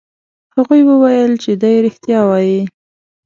هغوی وویل چې دی رښتیا وایي.